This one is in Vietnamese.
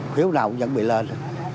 phiếu nào cũng vẫn bị lên